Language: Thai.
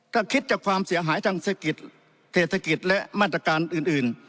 ถ้าคิดจากความเสียหายทางเศรษฐกิจและมาตรการอื่น